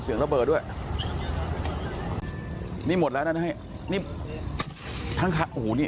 เสียงระเบิดด้วยนี่หมดแล้วนั่นให้นี่ทั้งค่ะโอ้โหนี่